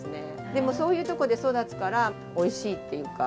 でもそういうとこで育つからおいしいっていうか。